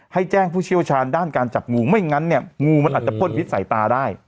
ให้แจ้งผู้เชี่ยวชาญด้านการจับงูไม่งั้นเนี่ยงูมันอาจจะพ่นพิษใส่ตาได้